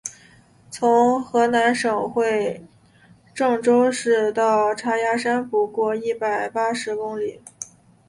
从河南省会郑州市到嵖岈山不过一百八十公里。